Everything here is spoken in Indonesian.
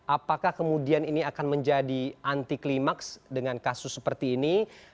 apakah kemudian ini akan menjadi anti klimaks dengan kasus seperti ini